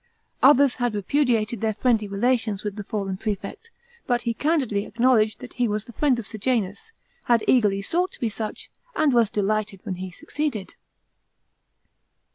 Others had repudiated their friendly relations with the fallen prelect, but he candidly acknowledged that "he was the friend of Sejanus, had eagerly sought to be such, and was delighted when he succeeded."